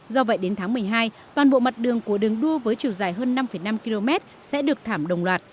do vậy đến tháng một mươi hai toàn bộ mặt đường của đường đua với chiều dài hơn năm năm km sẽ được thảm đồng loạt